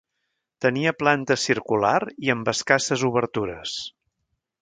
Tenia planta circular i amb escasses obertures.